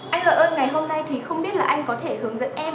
anh lợi ơn ngày hôm nay thì không biết là anh có thể hướng dẫn em